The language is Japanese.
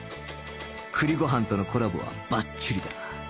栗ご飯とのコラボはバッチリだ